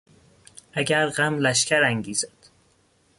اگر غم لشگر انگیزد....